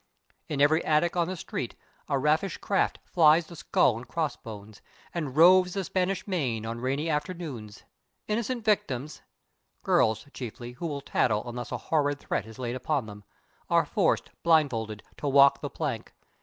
In every attic on the street a rakish craft flies the skull and crossbones, and roves the Spanish Main on rainy afternoons. Innocent victims girls, chiefly, who will tattle unless a horrid threat is laid upon them are forced blindfold to walk the plank.